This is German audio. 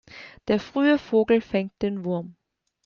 Der frühe Vogel fängt den Wurm.